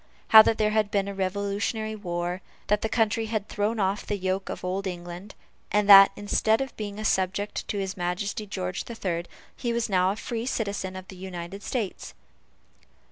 How that there had been a revolutionary war that the country had thrown off the yoke of old England and that, instead of being a subject to his Majesty George the Third, he was now a free citizen of the United States.